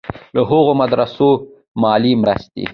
له هغو مدرسو سره مالي مرستې.